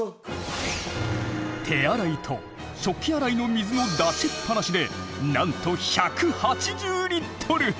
手洗いと食器洗いの水のだしっぱなしでなんと１８０リットル！